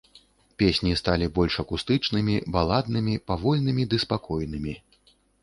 Песні сталі больш акустычнымі, баладнымі, павольнымі ды спакойнымі.